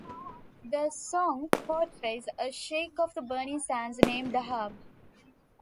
The song portrays a "sheik of the burning sands" named Ahab.